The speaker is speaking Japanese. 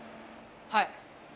はい！